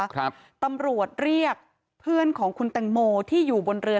ครับตำรวจเรียกเพื่อนของคุณแตงโมที่อยู่บนเรือ